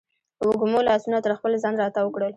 وږمو لاسونه تر خپل ځان راتاو کړل